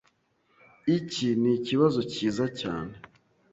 Iki nikibazo cyiza cyane.